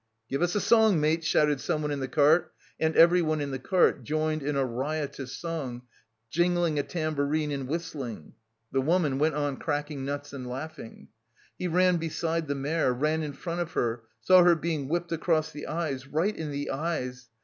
"Give us a song, mates," shouted someone in the cart and everyone in the cart joined in a riotous song, jingling a tambourine and whistling. The woman went on cracking nuts and laughing. ... He ran beside the mare, ran in front of her, saw her being whipped across the eyes, right in the eyes!